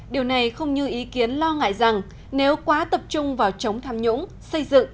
điều này không như ý kiến lo ngại rằng nếu quá tập trung vào chống tham nhũng xây dựng